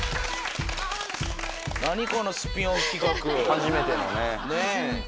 初めてのね。